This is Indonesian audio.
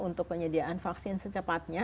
untuk penyediaan vaksin secepatnya